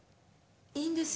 いいんです。